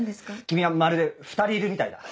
君はまるで２人いるみたいだ。